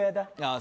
あ